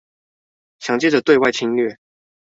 想藉著對外侵略